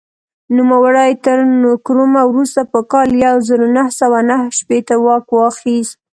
نوموړي تر نکرومه وروسته په کال یو زر نهه سوه نهه شپېته واک واخیست.